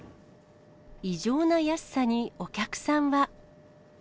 異常な安さにお客さんは。